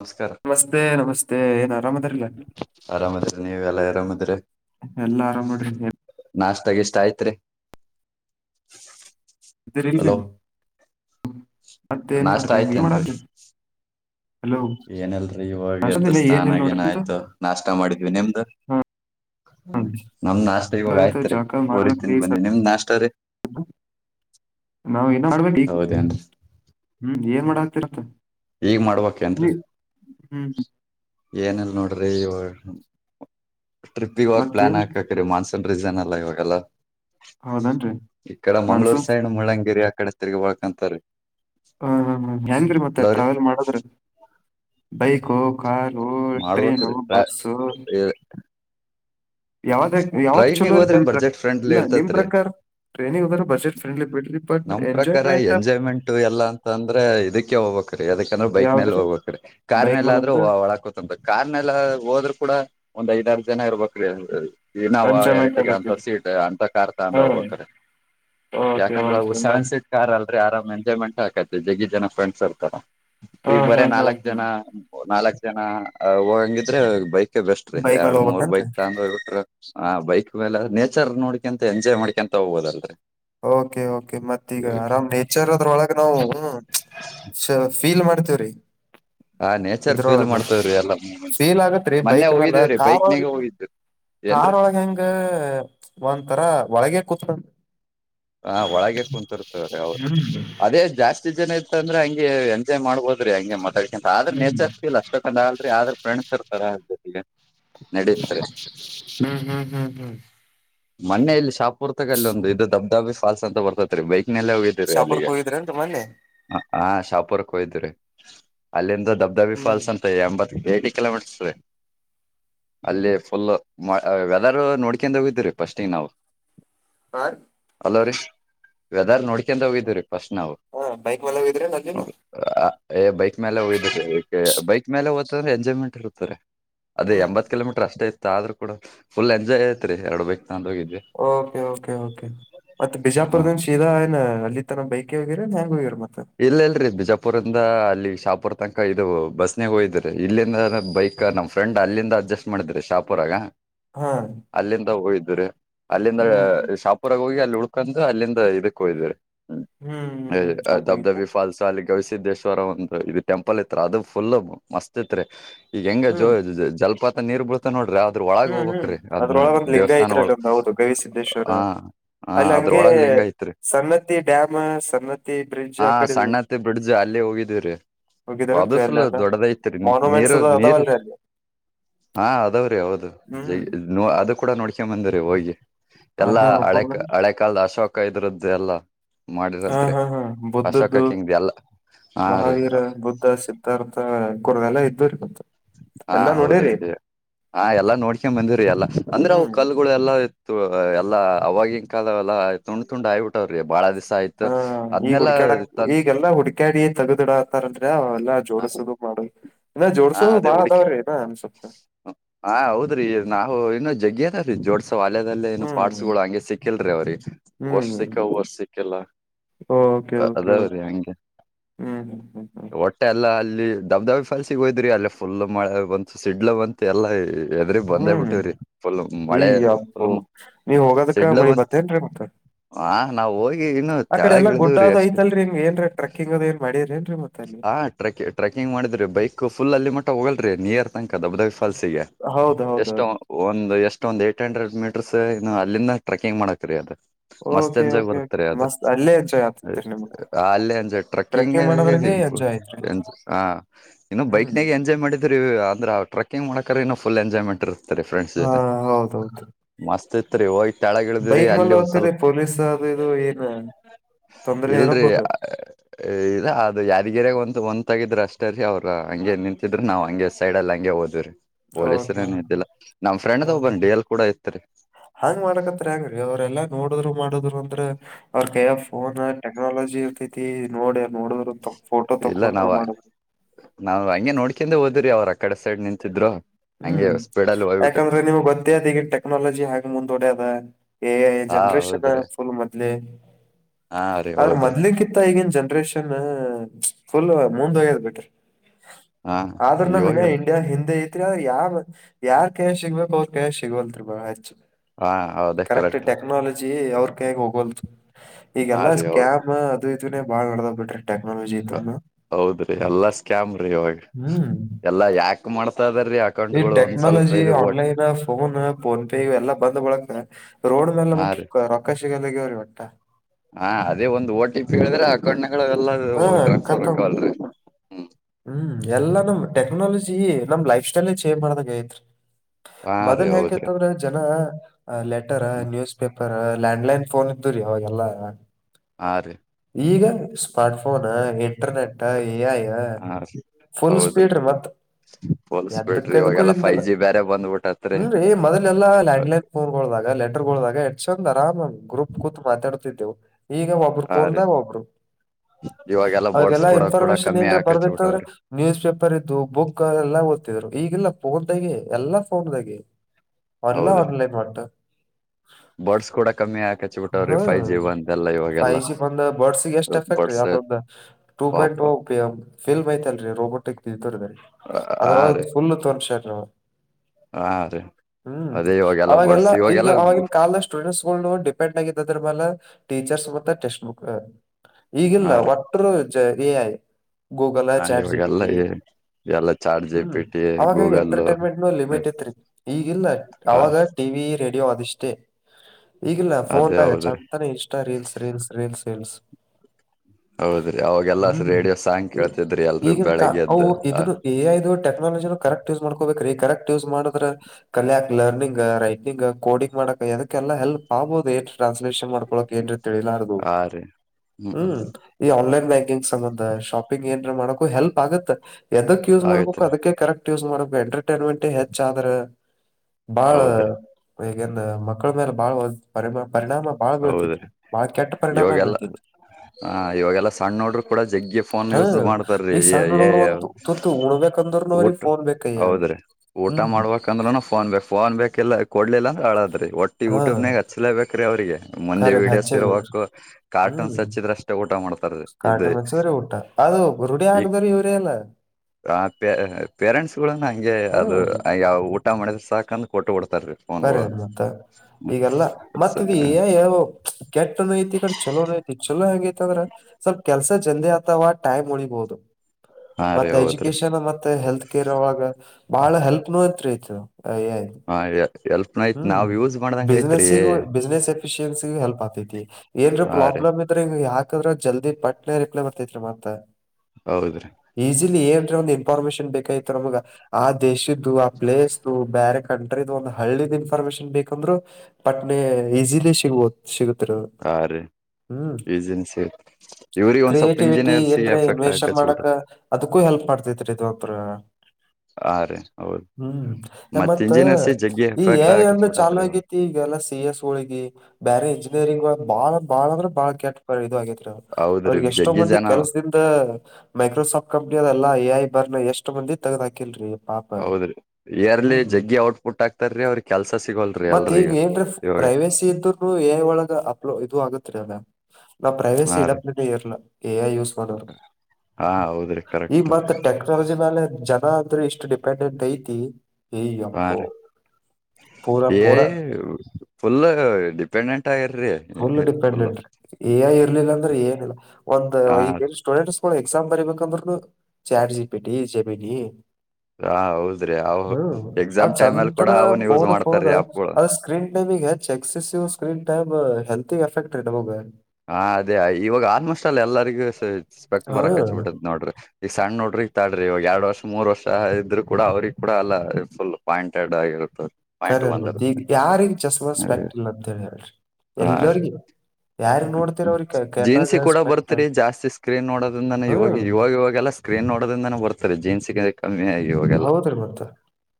ನಮಸ್ಕಾರ ನಮಸ್ತೆ ನಮಸ್ತೆ ಏನ್ ಆರಾಮ್ ಅದರಿಲ್ಲ ಆರಾಮದ್ರಿ ನೀವ ಎಲ್ಲ ಆರಾಮದ್ರಿ ಎಲ್ಲಾ ಆರಾಮ ಬಿಡ್ರಿ ನಾಸ್ತಾಗ ಇಷ್ಟ ಆಯ್ತ್ರಿ ಹಲೋ ಅ ನಾಷ್ಟ ಅ ಏನಲ್ರ ಇವಾಗ ಎದ್ದ ಅಷ್ಟೊಂದಿಲ್ಲ ಏನಿಲ್ಲ ನೋಡ್ರಿ ಸ್ಥಾನಾಗಏನ ನಿಮ್ದು ಆಯ್ತು ನಾಷ್ಟ ಮಾಡಿದ್ವಿ ನಿಮ್ದು ನಮ್ದ ನಾಷ್ಟ ಇವಾಗ ಹ್ಮ್ ಆಯ್ತಾರೆ ಹೋರಿ ತಿಿಂದ ಬನ್ನಿ ನಿಮ್ದ್ ನಾಷ್ಟ ರೀ ನಾವ ಮಾಡ್ಬು ಈ ಹೌದೇನ್ರಿ ಹ್ಮ್ ಏನ್ ಮಾಡ ಆತಿರತ್ತ ಈಗ್ ಮಾಡ್ಬೇಕಕ್ೇಂದ್ರ ಹ್ಮ್ ಏನಲ್ ನೋಡ್ರಿ ಟ್ರಿಪ್ಗ ಹೋಗ ಪ್ಲಾನ್ ಮತ್ತೇನ್ ಹಾಕಕ್ರಿ ಮಾನ್ಸ ೀನ್ ಎಲ್ಲ ಇಾಗಲ್ಲ ಹೌದನ್ರಿ ಈ ಕಡೆ ಮಂಗ್ಗಳೂರ್ ಮಾನ್ಸೂನ್ ಸೈಣ್ಣ ಮುಳ್ಳಂಗೇರಿ ಕಡೆತಗಿ ಬಳಳ್ಕಂತಾರೆ ಹ್ಮ್ ಹ್ಮ್ ಹ್ಮ ಏನ್ೀ ಮತ್ತೆ ಟ್ರಾವೆಲ್ ಮಾಡದ್ರ ಬೈಕ್ ಹೋಗ ಕಾರು ಟ್ರೇನ್ ಮಾಡ್ಬೇಕ್ರಿ ಬಸ್ು ಯಾವ್ದ್ ಟ್ರೈನಗ ಚಲೋ ರೀ ಹೋದ್ರೆ ನಿಮ್ ಪ್ರಕಾರ ಬಡ್ಜೆಟ್ ಫ್ರೆಂಡ್ಲಿ ಇಲ್ಲ ನಿಮ್ ಇರ್ತತ್ರಿ ಪ್ರಕಾರ ಟ್ರೈನಿಗೆ ಹೋದ್ರ ಬಜೆಟ್ ಫ್ರೆಂಡ್ಲಿ ಬಿಡ್ರಿ ಬಟ್ ನಮ ಪ್ರಕಾರ ಎಂಜಾಯ್ಮೆಂಟ್ ಎಂಜಾಯ್ಮೆಂಟ್ ಎಲ್ಲ ಅಂತ ಅಂದ್ರೆ ಇದಕ್ಕೆ ಹೋಗ ಹ್ರರಿ ಯದಕಂದ್ರೆ ಬೈಕ್ ನಲ್ಲಿ ಯಾವ್ದ್ರಿ ಹೋಗ್ಬೇಕ್ರಿ ಕಾರ್ ಬೈಕ್ ನಲ್ಲ ಮೇಲೆ ಆದ್ರೂ ಹೋದ್ರೆ ಒಳಕೂತಂತ ಕಾರ್ ನಲ್ಲ ಹೋದ್ರು ಕೂಡ ಒಂದ್ ಐದಾರ ಜನ ಇರ್ಬೇಕ ಇನೋವಾ ಪಂಚಮೆಂಟ್ ಎರಟಿಗೆ ಅಂತ ಆಗತೈತಿ ಸೀಟ್ ಅಂತ ಕಾರ್ ತಗೊಂಡ ಹಾ ಹೋಗ್ಬೇಕ್ರ ಓಕೆ ಯಾಕಂದ್ರೆ ಅವು ಓಕೆ ಸೆವೆನ್ ಮತ್ ಸೀಟ್ ಕಾರ್ ಅಲ್ ಆರಾಮ್ ಎಂಜಾಯ್ಮೆಂಟ್ ಹಾಕೈತಿ ಜಗಿ ಜನ ಫ್ರೆಂಡ್ಸ್ ಇರ್ತಾರ ಹಾ ಈಗ ಬರ ಹಾ ಹಾ ಹಾ ನಾಲ್ಕ್ ಜನ ನಾಲ್ಕ್ ಜ ಹೋಗಂಗಿದ್ರೆ ಬೈಕ ಬೆಸ್ಟ್್ರೀ ಬೈಕ್ ಮೇಲೆ ಎರಡ್ ಮೂರ್ ಹೋಗ್ಬೇಕನ್ರಿ ಬೈಕ್ ತಂದ್ರಬಟ್ರ ಹ ಬೈಕ್ ಮೇಲೆ ನೇಚರ್ ನೋಡ್ಕಂತ ಎಂಜಾಯ್ ಮಾಡ್ಕೊಂತ ಹೋಗೋದಲ್ರರಿ ಓಕೆ ಓಕೆ ಮತ್ತ ಈಗ ಆರಾಮ್ ನೇಚರ್ ಅದ್ರ ಒಳಗ ನಾವು ಫೀಲ್ ಮಾಡ್ತೇವ್ರಿ ಆ ನೇಚರ್ ಫೀಲ್ ಇದ್ರೊಳಗೆ ಮಾಡ್ತೇವ್ರಿ ಎಲ್ಲ ಫೀಲ್ ಆಗತ್ರಿ ಮೊನ್ನೆ ಬೈಕ್ ಮೇಾಲ ಹೋಗಿದೀವ್ರೀ ಬೈಕ್ನಾಗ ಕಾರ್ ಹೋಗಿದ್ವಿ ಏನ್ರೀ ಕಾರ್ೊಳಗ ಹೆಂಗ ಒಂಂತರ ಒಳಗ ಕೂತ್ಂತ ಹಾ ಒಳಗೆ ಕುೂಂತರ್ತವ್ರೀ ಅವ ಹ್ಮ್ ಅದೇ ಜಾಸ್ತಿ ಜನ ಮತ್ತ ಅಂದ್ರೆ ಹಂಗೆ ಎಂಜಾಯ್ ಮಾಡ್ಬೋದ್ರಿ ಹಂಗೆ ಮಾತಾ ಎಂತ ಆದ್ರೆ ಹ್ಮ್ ನೆಚರ್ಗ್ತಿ ಇಲ್ಲ ಅಷ್ಟೊ ಕಂಡಗಲ್್ರಿ ಆದ್ರ ಪ್ರ್ರೆಂಡಸ್ರ್ತರಗೆ ಹ್ಮ್ ಹ್ಮ್ ಹ್ಮ್ ಹ್ಮ್ ಮನೆಯಲ್ಲಿ ಶಾಪುರ್ತಗಲ್ಲಿ ಒಂದು ಇದು ದಬ್ಬ್ದಾಬಿ ಫಾಲ್ಸ್ ಅಂತ ಬರ್ತೈತ್ ರರಿ ಬೈ ನಲೆ ಹೋಗಿದಿ್ರಿ ಶಾಪುರ್ಕ್ ಅಲ್ಲಿಗೆ ಹೋಗಿದ್ರೇನ್ರಿ ಮೊನ್ನೆ ಹ ಶಾಪ್ ವರ್ಕ್ ಹೋಗ್ದಿ್ರಿ ಅಲ್ಲಿಂದ ದಬ್ಬ್ದಾಬಿ ಹ್ಮ್ ಫಾಲ್ಸ್ ಅಂತ ಎಂಬತ್ ಏಟಿ ಕಿಲೋಮೀಟರ್ಸ್ ರೀ ಅಲ್ಲಿ ಫುಲ್ ವೆದರ್ ನೋಡ್ಕಿಂದ ಹೋಗಿದಿರೀ ಫಸ್ಟ್ ಗೆ ನಾವು ಆ ಅಲೋ ರೀ ಹರೀಶ್ ವೇದರ್ ನೋಡ್ಕಂತ ಹೋಗಿದರಿ ಪ್ರಶ್ ನವು ಬೈಕ್ ಮೇಲೆ ಹೋಗಿದ್ರೇನ್ ಅಲ್ಲಿನು [unintelligible] ಏ ಬೈಕ್ ಮೇಲೆ ಹಯ ಬೈಕ್ ಮೇಲೆ ಹದ್ತಂದ್ರೆ ಎಂಜಾಯ್ಮೆಂಟ್ ಇರ್ತ್ತಾರೆ ಅದೇ ಹ್ಮ್ ಎಂಬತ್ ಕಿಲೋಮೀಟರ್ ಅಷ್ಟೇ ಇತ್ತು ಆದ್ರೂ ಕೂಡ ಫುಲ್ ಎಂಜಾಯ್ ಐತ್ರಿ ಎರಡು ಬೈಕ್ ತಗೊಂಡ್ ಹೋಗಿದ್ವಿ ಓಕೆ ಕೆ ಓಕೆ ಮತ್ತೆ ಹ ಬಿಜಾಪುರ್ದಿಂದ ಶೀದಾ ಏನ ಇಲ್ಲಿ ತರ ಬೈಕ್ ಹೋಗಿರ ಹೆಂಗ ಹೋಗಿರಿ ಮತ್ತೆ ಇಲ್ಲಲ್ರಿ ಬಿಜಾಪುರ್ಂದ ಅಲ್ಲಿ ಶಾಪುರ್ ತನಕ ಇದು ಬಸ್ನ ಹೋಗಿದ್ರೆ ಇಲ್ಲಿಂದ ಬೈಕ್ ನಮ್ ಫ್ರೆಂಡ್ ಅಲ್ಲಿಂದ ಅಡ್ಜಸ್ಟ್ ಮಾಡಿದ್ರೆ ಶಾಪೂರಗ ಹಾ. ಅಲ್ಲಿಂದ ಹೋಗಿದ್ರ ಅಲ್ಲಿಂದ ಹ್ಮ್. ಶಾಪುರಗೆ ಹೋಗಿ ಅಲ್ಲಿ ಉಳ ಕಂದು ಅಲ್ಲಿಂದ ಇದಕ್ಕ ಹೋಗಿದೀವಿ ರೀ ಹ್ಮ್ ಹ್ಮ್ ಹ್ಮ್ ದಬ್ಬಧಬಿ ಹಂಗಾಗಿತ್ತೇನ್ರಿ? ಫಾಲ್ಸ್ ಅಲ್ಲಿ ಗವಿಸಿದ್ದೇಶ್ವರ ಅಂತ ಇದು ಟೆಂಪಲ್ ಇತ್ರ ಅದು ಫುಲ್ ಮಸ್ತ್ ಇತ್ರಿ ಈಗ ಹೆಂಗ ಹ್ಮ್ ಜೋಗ ಜಲ್ಪಾತ್ ನೀರ್ ಬಳ್ತಾ ನೋಡರಿ ಯಾವ್ ಹ್ಮ್ ಹ್ಮ್ ಅದ್ರೊಳಗೊಂದ್ ಲಿಂಗ ತ್ ಒಳ ಅಲ್ಲಿ ಒಂದ್ ಹೌದು ಗವಿಸಿದ್ದೇಶ್ವರ ಹಾ ಹ ಅಲ್ಲಿ ಅದ್ರ ಹಂಗೆ ಒಳಗ್ ಲಿಂಗ ಐತ್ರಿ ಸನ್ನದಿ ಡ್ಯಾಮ್ ಸನ್ನ ಹಾ ಸಣ್ಣತ್ತ ಬಿಡ್ಜ್ ಅಲ್ಲೇ ಹೋಗಿದೀವ್ರರಿ ಅದು ಹೋಗಿದಾರೇನ್ರಿ ಫುಲ್ ಅಲ್ಲೆಲ್ಲ? ದೊಡ್ಡದ ಐತ್ರಿ ಮಾನ್ಯುಮೆಂಟ್ಸ್ ನೀರು ಅದು ನೀರ್ ಅದಾವಲ್ರಿ ಅಲ್ಲಿ? ಹಾ ಅದಾವ್ರೀ ಹೌದ ಹ್ಮ್. ಅದು ಅದು ಕೂಡ ನೋಡ್ಕೊಂಡ ಬಂದವಿ ಹೋಗಿ ಎಲ್ಲಾ ಅದ್ನು ಹಳೆ ನೋಡ್ಕೊಂಡ್ ಬಂದ್ ಹಳೆ ಕಾಲದ ಅಶೋಕ ಇದ್ರದ್ದ ಎಲ್ಲಾ ಹಾ ಮಾಡಿರದ್ರಿ ಹಾ ಹಾ ಅಶೋಕ ಬುದ್ಧದ್ದು ಕಿಂಗ್ದ ಎಲ್ಲ ಹಾ ರೀ ಮಹಾವೀರ ಬುದ್ಧ ಸಿದ್ಧಾರ್ಥ ಗರ್ದಲ್ಲ ಇದ್ದರಿ ಹಾ ಹೌದ್ರಿ ಹಾ ಎಲ್ಲಾ ನೋಡ್ಕೊಂಡ ಬಂದಿವಿರಿ ಎಲ್ಲಾ ಅಂದ್ರೆ ಅವು ಹ್ಮ್. ಕಲ್ಲುಗಳು ಎಲ್ಲಾ ಎಲ್ಲಾ ಅವವಾಗಿನ ಕಾಲ ಎಲ್ಲ ತುಂಡ್ ತುಂಡ್ ಆಯ್ಬಿಟ್ಟವ್ರಿ ಬಾಳ ದ್ ಹ ಈಗ ಹುಡ್ಕ್ಯಾಡಕ್ ಈಗೆಲ್ಲಾ ಹುಡ್ಕಾಡಿ ತಗ್ದಿಡಾತಾರ ಅಂದ್ರೆ ಅವೆಲ್ಲಾ ಜೋಡಸುದು ಇ ಹಾ ಜೋಡಸೋದ ಅದೇ ಬಾಳ ಅದಾವ ಹುಡುಕಿ ರೀ ಇನ್ ಸ್ವಪ್ ಹಾ ಹೌದ್ರಿ ನಾವು ಇನ್ನೊ ಜಗ್ಗಿ ಅದ ರೀ ಜೋಡ್ ವಲ್ಯದಲ್ಲೇ ಏನು ಹ್ಮ್ ಪಾರ್ಟಸ್ಗಳು ಹಂಗೆ ಸಿಕ್ಕಿಲ್ರರಿ ಅವ್ರಿ ವರ್ಷ ಹ್ಮ್ ಸಿಕ್ಕ ವರ್ಷ ಸಿಕ್ಕಿಲ್ಲ ಓಕೆ ಓಕೆ ಅದಾವ ರೀ ಓಕೆ ಹಂಗೆ ಹ್ಮ್ ಹ್ಮ್ ಹ್ಮ್ ಹೊಟ್ಟೆ ಎಲ್ಲ ಅಲ್ಲಿ ಇಲ್ಲಿ ದಬ್ದವೇ ಫಾಲ್ಸ ಗೆ ಹೋಯದ್ರಿ ಅಲ್ಲೇ ಫುಲ್ ಮಳೆ ಬಂತ ಸಿಡ್ಲು ಬಂತ ಎಲ್ಲಾ ಎದ್ರಿ ಬಂದೇ ಹ್ಮ್ ಹ್ಮ್ ಬಿಟ್ಟವ್ರಿ ಫುಲ್ ಈ ಮಳೆ ಅಪ್ಪು ಫುಲ್ ನೀವ್ ಹೋಗೋದಕ್ಕ ಸಿಡ್ಲ ಮಳಿ ಬಂತ ಬತ್ತೇನ್ರಿ ಮತ್ತ ಹಾ ನಾವ್ ಹೋಗಿ ಇನ್ನು ಆ ಕಡೆ ಎಲ್ಲಾ ಗುಡ್ಡ ತಳಗಳವ್ರಿ ಅದ ಅಷ್ಟೇ ಐತಲ್ರಿ ಹಿಂಗ ಏನ್ರ ಟ್ರೆಕ್ಕಿಂಗ್ ಅದ ಏನ್ ಮಾಡಿರೇನ್ರಿ ಮತ್ತ ಅಲ್ಲಿ ಹ ಟ್ರ ಟ್ರಿಂಗ ಹಂಗ್ ಮಾಡಿದ್ರಿ ಬೈಕ್ ಫುಲ್ ಅಲ್ಲಿ ಮಟ್ಟ ಹೋಗಲ್ರರಿ ನಿಯರ್ ತನಕ ದಬದ ಫಾಲ್ಸ್ಗೆ ಹೌದ ಹೌದ ಎಷ್ಟ ಒಂದು ಎಷ್ಟೊ ಒಂದು ಏಟ್ ಹಂಡ್ರೆಡ್ ಮೀ ಅ ಇ ಅಲ್ಲಿಂದ ಟ್ರಾಕಿಂಗ್ ಮಾಡಕ ರಿ ಅದು ಮಸ್ತ ಓಕೆ ಎಂಜಾಯ್ ಓಕೆ ಬರ್ತ್ರಿ ಅದು ಮಸ್ತ್ ಅಲ್ಲೇ ಎಂಜಾಯ್ ಆಗ್ತತ್ರಿ ನಿಮ್ಗ ಅಲ್ಲೇ ಹೆಂಗ್ ಟ್ರೆಕ್ಕಿಂಗ್ ಮಾಡೋದ್ರಾಗೆ ಎಂಜಾಯ್ ಐತ್ರಿ ಹ ಏನು ಬೈಕ್ ಹ್ಮ್ ನಾಗ ಎಂಜಾಯ್ ಮಾಡಿದ್ರೀ ಅಂದ್ರೆ ಟ್ರಾಕಿಂಗ್ ಮಾಡ ಕಡೆ ಫುಲ್ ಎಂಜಾಯ್ಮೆಂಟ್ ಇರುತ್ತ ಸ ಫ್ರೆಂಡ್ಸ್ ಹಾ ಜೊತೆ ಹೌದೌದು ಮಸ್ತ್ ಇತ್ರಿ ಹೋಗಿ ತಳಗಿಳಿದಿರಿ ಬೈಕ್ ಮೇಲೆ ಅಲ್ಲಿ ಒಂದ್ ಹೋಗ್ತೀರಿ ಸ್ವಲ್ಪ ಪೊಲೀಸ್ ಅದು ಇದು ಏನ್ ತೊಂದ್ರೆ ಇಲ್ರರಿ ಇರಬಹುದು ಇಲ್ಲ ಅದು ಯಾದಗಿರಿಗ ಒಂತ ಒಗಿದ್ರ ಅಷ್ಟ ಇರಿ ಅವರು ಹಂಗೆ ನಿಂತಿದ್ರೆ ನಾವು ಹಂಗೆ ಸೈಡ ಅಲ್ಲಿ ಹಂಗೆ ಹೋದ್ವಿ ರೀ ಓಕೆ ಪೊಲೀಸರಏನು ಇದ್ದಿಲ್ಲ ನಮ್ ಫ್ರೆಂಡ್ದ ಬನ್ ಡಿ ಎಲ್ ಕೂಡ ಇತ್ತರಿ ಹಾಂಗ ಮಾಡಕತ್ರಿ ಹೆಂಗ ರೀ ಅವ್ರಲ್ಲಾ ನೋಡಿದ್ರು ಮಾಡುದ್ರು ಅಂದ್ರೆ ಅವ್ರ ಕೈಯ ಫೋನ್ ಟೆಕ್ನಾಲಜಿ ಇರತೇತಿ ನೋಡ ನೋಡದರು ಇಲ್ಲ ನಾವ್ ನಾವ್ ಹಂಗೆ ನೋಡ್ಕಿಂದೆ ಹೋದವರಿ ಅವರು ಅ ಕಡೆ ಸೈಡ್ ನಿಂತಿದ್ರು ಹಂಗೆ ಹ್ಮ್ ಸ್ಪೀಡಲ್ಲಿ ಹೋಗ್ಬಿಟ್ರಿ ಯಾಕಂದ್ರೆ ನಿಮ್ಗೆ ಗೊತ್ತೇ ಅದ ಈಗ ಟೆಕ್ನಾಲಜಿ ಹೆಂಗ ಮುಂದೂಡೆ ಅದ ಎ ಹಾ ಜನರೇಷನ್ ಹೌದ್ರಿ ುಲ್ ಮದವೇ. ಹಾ ರೀ ಅ್ರ ಹೌದ್ರಿ ಮೊದ್ಲಿಕ್ಕಿತ್ತ ಈಗನ್ ಜನ್ರೇಷನ್ ಫುಲ್ ಮುಂದ್ ಹೋಗ್ಯದ್ ಬಿ. ಡ್ರಿ ಹಾ ಆದ್ರ ನಮ ಇನ್ನ ಇವಾಗೆಲ್ಲ ಇಂಡಿಯಾ ಹಿಂದೆ ಇತ್ತು. ಯಾವ ಯಾರ್ ಕೈ್ ಸಿಗ್ಬೇಕು ಅವ್ರ ಕೈ್ ಸಿಗಲ್ತ್ರಿ ಬಹಳ ಹೆಚ್ಚು. ಹಾ. ಹೌದೇ ಕರೆಕ್ಟ್ ರೀ ಟೆಕ್ನಾಲಜಿ ಅವ್ರ ಕೈಗೆ ಹೋಗೋಲ್ ಹಾ ಈಗೆಲ್ಲಾ ರೀ ಹೌದು ಸ್ಕ್ಯಾಮ್ ಅದು ಇದನೇ. ಬಾಳ ನಡದ್ ಬಿ್ರಿ. ಟೆಕ್ನೋಲಜಿ ತ ಹೌದ್ರಿ ಎಲ್ಲಾ ಸ್ಕ್ಯಾಮ್ ರೀ ಇವಾಗ ಹ್ಮ್. ಎಲ್ಲಾ ಯಾಕ ಮಾಡ್ತಾ ಇದಾರೀ ಈ ಅಕೌಂಟ್ಗಳು ಒಂದ್ ಸ್ವಲ್ಪ ಟೆಕ್ನಾಲಜಿ ಇದು ಒಟ್ಟು ಆನ್ಲೈನ್ ಫೋನ್ ಫೋನ್ ಪೇ ಇವೆಲ್ಲ ಬಂದ್ ಬಳತ ರೋಡ್ ಹಾ ಮೇಲೆ. ರೀ ರಕಶಗಲ್ಲಗೆ ಬರಿ ಒತಾ. ಹಾ ಅದೇ ಒಂದು ಓ ಟಿ ಪಿ ಹೇಳಿದ್ರೆ ಅಕೊಂಡ. ಹಾ ಎ ಖತಮ್ ಟ್ರಾಕ್ಸ್ರ್ಲ್ರಿ. ಹ್ಮ್ ಎಲ್ಲಾ ನಮ್ ಟೆಕ್ನಾಲಜಿ ನಮ್ ಲೈಫ್ ಸ್ಟೈಲ್ ಹೆ. ಹಾ ರೀ ಹೌದ್ರಿ ಮೊದತ್ಂದ್ರೆ ಜನ ಲೆಟರ್ ಹ್ಮ್ ನ್ಯೂಸ್ ಪೇಪರ್. ರ ಲ್ಯಾಂಡ್ ಲೈನ್ ಫೋನ್ ಇದ್ದು ರೀ ಅವಾಗೆಲ್ಲ. ಹ ರೀ. ಈಗ ಸ್ಮಾರ್ಟ್ಫೋನ್ ಇಂಟರ್ನೆಟ್. ಹಾ ರೀ ಫುಲ್ ಹೌದ್ರಿ ಸ್ಪೀಡ್ ರೀ ಮತ್ತೆ. ಹೋಲ್ಸ್ ಬಿಡ್ರಿ ಎದ್ದಕ್ಕದಕ್ಕೂ ಇವಾಗೆಲ್ಲಾ ಇಿಲ್ಲ ಫೈವ್ ಜಿ ಬೇರೆ ಬಂದ್ಬಿಟ್ಟತ್ರಿ ಹ್ಮ ರೀ ಮೊದಲ್ ಎಲ್ಲಾ ಲ್ಯಾಂಡ್ಲೈನ್ ಫೋನ್ಗಳದಾಗ ಯಾಂಡ. ದಾಗ ಎ ಚಂದ್ ಆರಾಮ ಗ್ರೂಪ್ ಕೂತ್ ಮಾತಾಡ್ತಿದ್ದೆವು. ಈಗ ಒಬ್ಬರು ಹಾ ಪೋನ್ ರೀ ಆಗೇ ಒಬ್ರು. ಇವಾಗೆಲ್ಲಾ ಬೋರ್ಡ್ಸ್ ಅವೆಲ್ಲಾ ಕೂಡ ಕೂಡ ಇನ್ಫಾರ್ಮೇಶನ್ ಕಮ್ಮಿ ಏನ್್ರ ಹಾಕಚ್ಚಿ ಬರ್ಬೇಕಂದ್ರೆ ಬಿಟ್ಟವ್ರಿ ನ್ಯೂಸ್ ಪೇಪರ್ ಇದ್ದು ಬುಕ್ ಎಲ್ಲ ಓದ್ತ. ಈಗೆಲ್ಲಾ ಫೋನ್ದಾಗ ಎಲ್ಲಾ ಫೋನ್ದಾಗೆ ಅವಲ್ಲ ಹೌದ್ರಿ ಅವನ್ಲೈ ಮಾಡಟ. ಬರ್ಡ್ಸ್ ಕೂಡ ಕಮ್ಮಿ ಹಾಕ್ ಹಚ್ಚಿ ಹ ಬಿಟ್ಟವ್ರಿ ಫೈವ್ ಜಿ ಬಂದೆಲ್ಲ ಇವಾಗೆಲ್ಲ ಜ ಪ ಬಡ್ ಸಿಿ ಗಸ್ಟ್ ಎಫಕ್. ಯ ಬರ್ಡ್ಸ್ ಒಂದು ಟೂ ಪಾಪ ಪಾಯಿಂಟ್ ಫಲ್ಮ್ ಐತೆಲ್ರಿ ರೋಬೋಟಿಕ್ ಅದ್ರ. ಹಾ ರೀ ಫುಲ್ ತರಿಸರ್ಷ. ಹಾ ರೀ. ಹ್ಮ್ ಅದೇ ಇವಾಗೆಲ್ಲ ಅವಾಗೆಲ್ಲಾ ಬಡ್ಸಿ ಈಗ ಇವಾಗೆಲ್ಲ ಅವವಾಗಿನ ಕಾಲದ ಸ್ಟೂಡೆಂಟ್ಸ್ ನು ಡಿಪೆಂಡ್ ಆಗಿದ್ದದ್ರ ಮೇಾಲ ಟೀಚರ್ಸ್ ವರ್ಕ್. ಟಸ್ಟ್ ಬುಕ್ ಈಗಿಲ್ಲ ಹಾ ರೀ ಒಟ್ಟರು. ಗೂಗಲ್ ಹ ಚಾಟ್ ಜಿ ಇವಾಗೆಲ್ಲ ಬಿಿಟ್ಟಿ. ಎಲ್ಲ chat G hmm P T ಅವಾಗ ಗೂಗಲ್ ಎಂಟರ್ಟೈನ್ಮೆಂಟ್ ನ ಲಿಮಿಟ್ ಇತ್ರಿ ಈಗಿಲ್ಲ ಅವಾಗ ಟಿವಿ ರೇಡಿಯೋ. ಡಿಯೋ ಅದ ಇಷ್ಟೇ ಈಗಿಲ್ಲ ಅದೇ ಫೋನ್ದಾಗ ಹೌದ್ರಿ ಚಂತಾನೆ ಇಷ್ಟ ರೀಲ್ಸ್ ರೀಲ್ಸ್ ರೀಲ್ಸ್ ರೀಲ್ಸ್. ಹೌದ್ರಿ ಅವಾಗೆಲ್ಲಾ ಹ್ಮ್ ರೇಡಿಯೋ ಸಾಂಗ್ ಕೇಳ್ತಿದ್ರಿ ಎಲ್ರಿ ಈಗಿನ ಬೆಳಿಗ್ಗೆ ಅವು ಎದ್ದು ಆ ಇದದು ಏದು ಟಕ್ನ. ಕರೆಕ್ ಯಸ್ ಮಾಡ್ಕಬೇಕ ರೀ. ಕರೆಕ್ಟ್ ಯೂಸ್ ಮಾಡಿದ್ರೆ ಕಲ್ಯಾಕ್ ಲರ್ನಿಂಗ್ ರೈಟಿಂಗ್ ಕೋಡಿಂಗ್ ಮಾಡಕ ಅದಕ್ಕೆಲ್ಲ ಹೆಲ್ಪ್ ಆಗ್ಬಹದು. ಟ್ರಾನ್ಲೇಷನ್ ಮಾಡ್ ನ್ ತಿಲಾರ ಹಾ ರೀ ಹ್ಮ್ ಹ್ಮ. ಆನ್ಲೈನ್ ಬ್ಯಾಂಕಿಂಗ್ ಸಂಬಂಧ ಶಾಪಿಂಗ್ ಏನ್ರ ಮಾಡಕು ಹೆಲ್ಪ್ ಆಗುತ್ತೆ ಎದಕ್ ಯೂಸ್ ಮಾಡ್ಬೇಕು ಆಗತ್ರಿ ಅದಕ್ಕೆ ಕರೆಕ್ಟ್. ಮಾಡಬೇಕು ಎಂಟರ್ಟೈನ್ಮೆಂಟ್ ಹೆಚ್ಚ ಆದ್ರ ಬಹಳ. ಹೌದ್ರಿ ಈಗಂದ್ರ ಮಕ್ಕಳ ಮೇಲೆ ಬಾಳ್ಳ ಪರಿ ಪರಿಣಾಮ ಬಾಳ್ ಬೀಳ್ತತ್ ಹೌದ್ರಿ ಬಾಳ ಕೆಟ್ಟ ಪರಿಣಾಮ ಬೀಳ್ತತ್. ಹಾ ಇವಾಗೆಲ್ಲಾ ಸಣ್ಣ ನೋಡ್ರರು ಕೂಡ ಜಗ್ಗಿ ಫೋನ್ ಹಾ ಯೂಸ್ ಮಾಡ್ತಾರೀ. ಈಗ ಸಣ್ಣ ಹುಡುಗರು ಒಂದ್ ತುತ್ತು ಉಣ್ಬೇಕಂದ್ರನು ಅವ್ರಿಗೆ ಊಟ ಫೋನ್ ಬೇಕ್ ಕೈಯಾಗ ಹೌದ್ರಿ ಊಟ ಹ್ಮ್ ಮಾಡ್ಬೇಕಂದ್ರನು ಫೋನ್ ಬೇಕಕ್ ಫೋನ್ ಬೇಕಿಲ್ಲ ಕೊಡ್ಲಿಲ್ಲ ಅಂದ್ರ. ಹದ್ರಿ ಒಟ್ಟಿ ಹಾ ಯೂಟ್ಯೂಬ್ನಾಗ ಹಚ್ಲೇಬೇಕು ರೀ ಅವ್ರಿಗೆ. ಮುಂದೆ ಖರೆ ವೀಡಿಯೋಸ್ ಹಚ್ಚೇ ಬೇಕ್ರಿ ಇರಬೇಕು ಕಾರ್ಟೂನ್ಸ್ ಹಚ್ಚಿದ್ರ ಅಷ್ಟೇ ಊಟ ಮಾಡತಾರೆ. ಕಾಟನ್ಚ್ಚವ್ರ ಊಟ ಅದು ರುಡಿ ಈ ಹಾಕ್ದ್ರ ಇವರ ಎಲ್ಲ. ಆ ಪ ಪೇರೆಂಟ್ಸ್ ಗಳನ್ನ ಹಂಗೆ ಅದು ಹ್ಮ್ ಯಾವ ಊಟ ಮಾಡಿದ್ ಸಾಕಂದ ಕೊಟ್ಟು ಕೊಡ್ತ. ಕರೆ ಮತ್ತ ಈಗೆಲ್ಲ ಮತ್ತದು. ಸರಿ ಕೆಪನ್ ಐತಿ ಕಡೆ ಚಲೋನ ಐತಿ ಚಲೋ ಹೆಂಗ ೈಐ ಅ್ರೆ ಸ್ವಲ್ಪ. ಕೆಲಸ ಜಂದೆ ಆತವಾ ಟೈಮ್ ಉಳಿಬಹುದು ಹಾ ರೀ ಮತ್ತೆ ಹೌದ್ರಿ ಎಜುಕೇಶನ್ ಮತ್ತೆ ಹೆಲ್ತ್. ಇರೋವಾಗ ಬಹಳ ಹೆಲ್ಪ್ ನೋತ್ರಿ ಇತ್ತು ಏ. ನಾವ ಉಸ್. ಬಿಸ್ನೆಸ್ಸಿಗ, ಬಿಸ್ನೆೆಸ್ ಎಫಿಶಿಯನ್ಸಿ ಹೆಲ್ಪ್ ಆತೈತಿ. ಏನ್ರ ಹಾ ರೀ ಪ್ರಾಬ್ಲಮ್ ಇದ್ರೆ ಯಾಕ್, - ಯ್ರ ಜಲ್ದಿ ಪಟ್ನೆ ರಿಪ್ಲೈ ಬರ್ತೈತ್ರಿ ಮತ್ತ ಹೌದ್ರಿ ಈಸಿಲಿ ಒನ್ ಇನ್ಫಾರ್ಮೇಶನ್ ಬೇಕಾಯತ ನಮಗ ಆ ದೇಶದ್ದು, ಆ ಪ್ಲೇಸ್ ದುಬೇರೆ, ಕಂಟ್ರಿ ಒಂದು ಹಳ್ಳಿ ಇನ್ಫಾರ್ಮೇಶನ್ ಬೇಕಂದ್ರರು ಪಟ್ನೆ ಈಸಿಲಿ ಸಿಗ, ಸಿಗುತ್ತ ಹಾ, ರಿ ಏಜೆನ್ಸಿ ಇವ್ರಿಗೆ ಒಂದ್ ಸ್ವಲ್ಪ ಕ್ರಿಯೇಟಿವಿಟಿ ಇಂಜಿನಿಯರ್ಸಿಗೆ ಎಫೆಕ್ಟ್ ಆಗ ಕಚ್ಬಿಡ್ರಿ, ಲ್ಪ್ ಮಾಡ್ತತ್ರಿ ಇದುತ್ರ [unintelligible] ಹಾ ರೀ ಹೌದು ಹ್ಮ್, ಮತ್ ಮತ್ತ ಇಂಜಿನಿಯರ್ಸಿ ಜಗ್ಗಿ ಈ ಎ, ಎಫೆಕ್ಟ್ ಐ ಅಂದ್ರ ಚಾಲೂ ಹಾಕಚ್ಬಿಟ್ಟತ್ರಿ ಅವ. ಆಗಿತಿ ಈಗಲ್ಲ ಸಿ, ಎ, ಎಸ್ ಒಳಗಿ ಬೇರೆ ಇಂಜಿನಿಯರಿಂಗ್ ಒಳ ಬಾಳ ಬಾ ಬಾಳ ಅಂದ್ರ ಬಾಳ ಕೆಟ್ಟ ಇದು ಆಗೇತ್ರಿ. ಹೌದ್ರಿ ಅವ್ರಿಗೆ ಎಷ್ಟೋ ಜಗ್ಗಿ ಮಂದಿ ಜನ ಕೆಲ್ಸದಿಂದ ಮೈಕ್ರೋಸಾಫ್ಟ್ ಕಂಪ್ನಿದ ಎಲ್ಲ ಎ, ಐ ಬರ್ನ ಎಷ್ಟು ಮಂದಿ ತಗ್ದಕಿನ್ರಿ. ಹೌದ್ರಿ, ಎರ್ಲಿ ಜಗ್ಗಔಟ್ಪುಟ್ ಆಗ್ತಾರೀ. ಅವ್ರಿಗೆ ಕೆಲ್ಸ ಸಿಗೋಲ್ರಿ ಮತ್ತ ಈಗ ಎಲ್ರಿಗ ಏನ್ರೆ ಇವಾಗ ಪ್ರೈವೇಸಿ ಇದ್ದ್ರನು ಎನ್ ಒಳಗ ಅಪ್ಲೋ ಇದು ಆಗತ್ರಿ ಒಳಗ. ನಾ ಪ್ರೈವಸಿ ಹಾ ರೀ ಇಡಪ್ಲೇ ಇರಲ್ಲ ಏನ್ ಯೂಸ್ ಮಾಡಲು. ಹಾ ಹೌದ್ರಿ ಈ ಕರೆಕ್ಟ್ ಮತ್ತ ಟೆಕ್ನಾಲಜಿ ಮ್ಯಾಲೆ, ಜನ ಅಂದ್ರೆ ಇಷ್ಟ ಡಿಪೆಂಡೆಂಟ್ ಐತಿ ಏಯ್ ತಪ್ಪೋ. ಎಯ್ಷಲ್ ಡಿಪೆಂಡಂಟ್, ಫುಲ್ ಡಿಪೆಂಡೆಂಟ್ ರೀ ಎ, ಐ ಇರ್ಲಿಲ್ಲ ಅಂದ್ರೆ ಏನಿಲ್ಲ. ಒಂದ್ ಹಾ ಈಗ ಸ್ಟೂಡೆಂಟ್ಸ್ ಎಕ್ಸಾಮ್ ಬರಿಬೇಕಂದ್ರುನು ಚಾರ್ಜಿ ಜಿಪಿಟಿ ಜಬಿಟಿ. ಹಾ ಹೌದ್ರಿ ಅವು ಹ್ಮ್, ಆ ಎಕ್ಸಾಮ್ ಟೈಮ್ ಅಲ್ಲಿ ಕೂಡ ಚಂತನ ಅವನ್ ಯೂಸ್ ಫೋನ್ -ಫೋನ್ ಮಾಡ್ತಾರೀ ಆಪ್ಗಳು ಅದು ಸ್ಕ್ರೀನ್ ಟೈಮ್ ಹೆ ಎಕ್ಸಸ್ ಸ್ಕ್ರೀನ್ ಟೈ ಹೆಲ್ತ್ಗೆ ಎಫೆಕ್ಟ್ ಇರಬೇಕ. ಹಾ, ಅದೇ ಇವಾಗ ಆಲ್ಮೋಸ್ಟ್ ಆಲ್ ಎಲ್ಲರಿಗೂ ಸ್ಪೆಕ್ಟ್ ಹಾ ಬರಕ್ ಹಚ್ಬಿಟ್ಟದ ನೋಡ್ರಿ. ಈ ಸಣ್ಣ ಹುಡ್ರಿಗ ತಡ್ರಿ ಇ ಎರಡ್ ವರ್ಷ, ಮೂರ್ ವರ್ಷ ಇದ್ರರು ಕೂಡ ಅವ್ರಿಗೆ ಕೂಡ ಅಲ್ಲ ಫುಲ್ ಪಾಯಿಂಟೆಡ್ ಆಗಿರುತ್ತದೆ. - ಕರೆರಿ ಈಗ ಯಾರಿಗ್ ಚಸ್ಮ, ಸ್ಪೇಕ್ಟ ಇಲ್ ಅಂತಿ ಹೇಳ್ರಿ. ಎಲ್ಲರಿಗಿ ಜೀನ್ಸಿ ಕೂಡ ಬರ್ತ್ರಿ ಜಾಸ್ತಿ ಸ್ಕ್ರೀನ್ ನೋಡೋದ್ರಿಂದಾನೆ. ಇವಾಗ ಹ್ಮ್ ಇವಾಗ ಇವಾಗೆಲ್ಲಾ ಸ್ಕ್ರೀನ್ ನೋಡ ಡದಿಂದ ಬರ್ತಾರೆ ಜೀನ್ಸ್ಗೆ ಕಮ್ಮಿ ಆಗಿ ಇವಾಗೆಲ್ಲ ಹೌದ್ರಿ ಮತ್ತ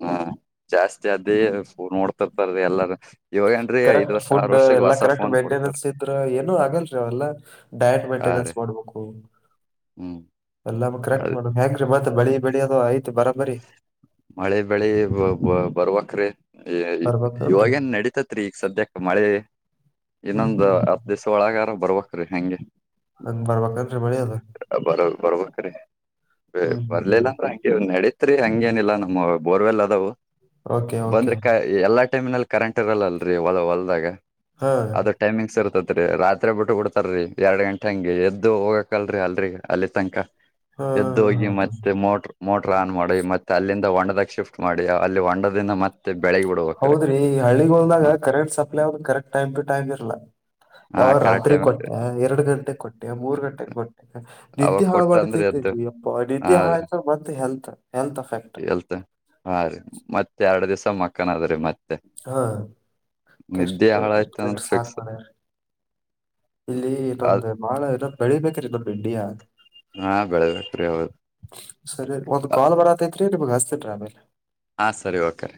ಹಾ ಜಾಸ್ತಿ ಆದೇ ನೋಡ್ ತಪ್ಪಾರದ ಎಲ್ಲಾರೂ [inaudible] ಕರೆಕ್ಟ್ ಫುಡ್ ಎಲ್ಲಾ ಕರೆಕ್ಟ್ ಕೊಡ್ತಾರ ಮೇಂಟೆನೆನ್ಸ್ ಇದ್ರಾ, ಏನು ಆಗಲ್ರಿ ಅವೆಲ್ಲ ಡಯಟ್ ಹಾ ಮೇಂಟೆನೆನ್ಸ್ ರೀ ಮಾಡ್ಬೇಕು. ಹ್ಮ್ ಎಲ್ಲ ಕರೆಕ್ಟ್ ಅದ ಮಾಡ್, ಹೆಂಗಗ್ರರಿ ಮತ್ತತ್ ಮಳಿ ಬೆಳಿ ಅದು ಆಯ್ ಮಳೆ ಬೆಳೆ ಬರ್ವಕ್ರಿ ಬರ್ಬೇಕನ್ರಿ ಇವಾಗೇನ್ ನಡೀತೈತ್ರಿ. ಈಗ ಸದ್ಯಕ್ಕೆ ಮಳೆ ಹ್ಮ್ ಇನ್ನೊಂದ್ ಹ್ಮ್ ಹತ್ ದಿವ್ಸ ಒಳಗಾರ ಬರ್ಬೆಕ್ರಿ ಹಂಗೆ. ಹಂಗ್ ಬರ್ಬೇಕನ್ರಿ ಮಳಿಅದು. ಬರ್ಬೇಕ್ರೀ. ಹ್ಮ್ ಬರ್ಲಿಲ್ಲ ಅಂದ್ರ ನಡಿತ್ ನಡಿತ್ರಿ ಹಂಗೇನಿಲ್ಲಾ ನಮ್ಮ ಬೋರ್ವೆಲ್ ಅದವು ಓಕೆ ಓಕೆ ಬಂದ್ರೆ ಕ ಎಲ್ಲಾ, ಟೈಮ್ಲ್ಲಿ ಕರೆಂಟ್ ಇರಲ್ಲಲ್ರರಿ ಹೊಲದಾಗ ಹಾ ಅದು ಟೈಮಿಂಗ್ಸ್ ಇರುತದ. ರಾತ್ರಿ ಬಿಟ್ಟುರು ಬಿಡ್ತಾರಿ ಎರಡ್ ಗಂಟೆ ಹಂಗೆ ಎದ್ದು ಹೋಗಬೇಕಲ್ರಿ ಅಲ್ಲಿ ತನಕ. ಹಾ ಎದ್ದು ಹಾ ಹೋಗಿ ಹಾ ಮತ್ತೆ ಮೋಟ- ಮೋಟ್ರ ಆನ್ ಮಾಡ ಮತ್ತೆ ಅಲ್ಲಿಂದ ಒಂಡದಾಗ ಶಿಫ್ಟ್ ಮಾಡಿ ಅಲ್ಲಿ ಒಂಡದಿಂದ ಮತ್ತೆ, ಬೆಳಗ್ ಬಿಡ್ಬೇಕ್ರೀ ಹೌದ್ರಿ, ಹಳ್ಳಿಹೋಲ್ದಾಗ ಹ ಕರೆಂಟ್ ಸಪ್ಲೈ ಅವ್ರ ಕರೆಕ್ಟ್ ಟೈಮ್ ಟು ಟೈಮ್ ಇರಲ್ಲಾ. ಹಾ ಯಾವ ಕರೆಕ್ಟ್ ರಾತ್ರಿ ಟೈಮ್ ಕೊಟ್ಟೆ, ಎರಡು ಗಂಟೆಗೆ ಕೊಟ್ಟೆ ಮೂರ್ ಗಂಟೆ ಕೊಟ್ಟೆ ಅವಾಗ ನಿದ್ದಿ ಹಾಳಮಾಡ್ತಿ ಕೊಟ್ಟಂದ್ರೆ ಎದ್ದು ಹಾ ರಿ ರೀ ಹಾಳಾಯ್ತಂದ್ರ ಮತ್ ಹೆಲ್ತ್, ಹೆಲ್ತ್ ಅಫೆಕ್ಟ್. ಎಲ್ತ್ ಹಾ, ರೀ ಮತ್ ಎರಡ್ ದಿವ್ಸ ಮಕ್ಕನ್ ಅದ್ರೀ ಮತ್ತೆ. ಹಾ ಮತ್ತೆ ನಿದ್ದೆ ಕೆಟ್ಟ ಹಾಳಾಯ್ತ ಕೆಟ್ಟ ಅಂದ್ರೆ ಸಾಕ್ ಫಿಕ್ಸ್, ಮಾಡ್ಯಾರ ಇಲ್ಲಿ ಅ ನೊಂದು್ ಮಾಳ ಇರ್ ಬೆಳಿಬೇಕ್ರ ನ [unintelligible] ಪಡಿಯ ಹಾ ಬೆಳಿಬೇಕ್ರಿ ಹೌದು [inaudible] ಸರಿ ಒಂದ್ ಕಾಲ್ ಬರತೈತ್ರಿ ನಿಮಗ್ ಹಾಸ್ತಿನ್ರಿ ಆಮೇಲೆ. ಹಾ ಸರಿ ಓಕೆ.